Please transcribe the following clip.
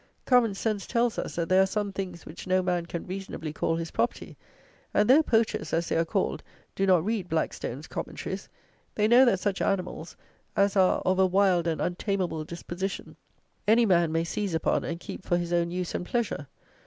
Common sense tells us that there are some things which no man can reasonably call his property; and though poachers (as they are called) do not read Blackstone's Commentaries, they know that such animals as are of a wild and untameable disposition, any man may seize upon and keep for his own use and pleasure.